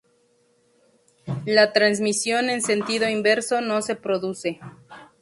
La transmisión en sentido inverso no se produce.